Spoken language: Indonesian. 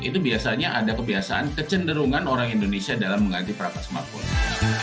itu biasanya ada kebiasaan kecenderungan orang indonesia dalam mengganti peraka smartphone